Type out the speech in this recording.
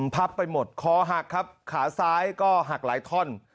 พับไปหมดคอหักครับขาซ้ายก็หักหลายท่อน